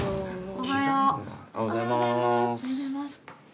おはようございます。